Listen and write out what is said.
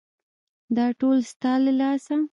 _دا ټول ستا له لاسه.